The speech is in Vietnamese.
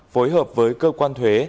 phối hợp với cơ quan thuế